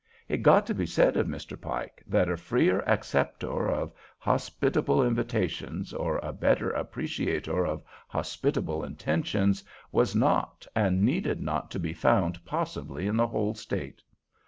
It got to be said of Mr. Pike that a freer acceptor of hospitable invitations, or a better appreciator of hospitable intentions, was not and needed not to be found possibly in the whole state.